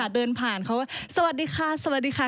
เดินผ่าเขาก็สวัสดีค่ะ